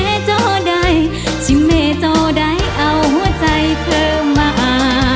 ชิเมเจ้าใดชิเมเจ้าใดชิเมเจ้าใดเอาใจเธอมา